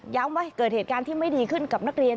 ว่าเกิดเหตุการณ์ที่ไม่ดีขึ้นกับนักเรียน